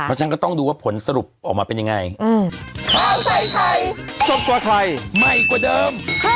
เพราะฉะนั้นก็ต้องดูว่าผลสรุปออกมาเป็นยังไง